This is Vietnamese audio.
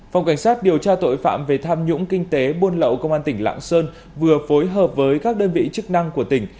phòng cảnh sát điều tra tội phạm về tham nhũng kinh tế buôn lậu công an tỉnh lạng sơn vừa phối hợp với các đơn vị chức năng của tỉnh